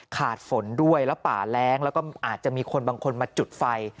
ฝนด้วยแล้วป่าแร้งแล้วก็อาจจะมีคนบางคนมาจุดไฟ